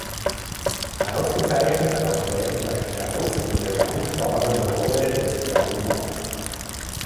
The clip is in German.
Ausgezeichnet auch Werner Krauß in der dankbaren Rolle des Hjalmar.